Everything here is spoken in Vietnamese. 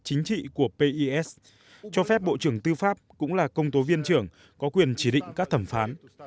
chính trị của pis cho phép bộ trưởng tư pháp cũng là công tố viên trưởng có quyền chỉ định các thẩm phán